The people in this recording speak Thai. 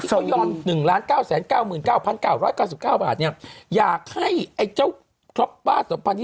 ที่เขายอน๑๙๙๙๙๙๙บาทเนี่ยอยากให้ไอ้เจ้าครอบบ้า๒๐๒๑